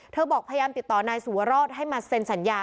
บอกพยายามติดต่อนายสุวรสให้มาเซ็นสัญญา